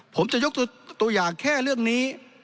ผมจะยกตัวอย่างแค่เรื่องนี้